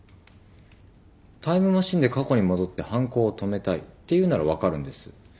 タイムマシンで過去に戻って犯行を止めたいっていうなら分かるんです。